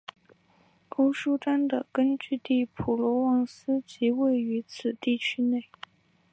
欧舒丹的根据地普罗旺斯即位于此地区内。